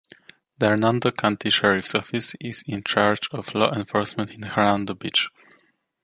The Hernando County Sheriff's Office is in charge of law enforcement in Hernando Beach.